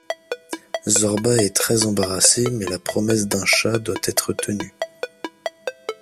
Zorba est très embarrassé mais la promesse d'un chat doit être tenue.